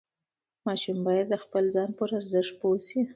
ماشوم باید د خپل ځان پر ارزښت پوه شي.